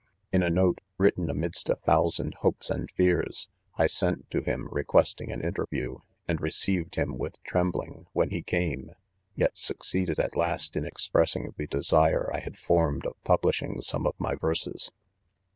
c In a note, written amidst a thousand topes and fears, I sent to him requesting an inter view, and received him with trembling*, when h& came,, yet succeeded, at last, in expressing the desire I had formed of publishing some of my verses.